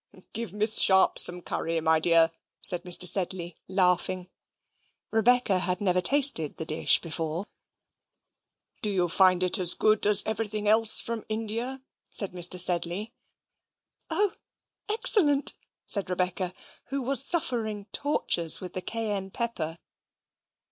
"Give Miss Sharp some curry, my dear," said Mr. Sedley, laughing. Rebecca had never tasted the dish before. "Do you find it as good as everything else from India?" said Mr. Sedley. "Oh, excellent!" said Rebecca, who was suffering tortures with the cayenne pepper.